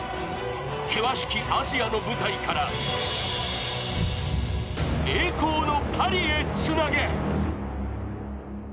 険しきアジアの舞台から栄光のパリへつなげ。